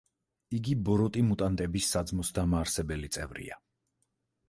იგი ბოროტი მუტანტების საძმოს დამაარსებელი წევრია.